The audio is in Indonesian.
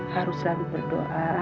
harus selalu berdoa